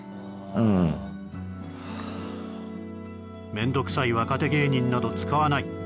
めんどくさい若手芸人など使わない